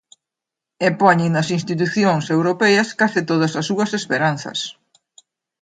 E poñen nas institucións europeas case todas as súas esperanzas.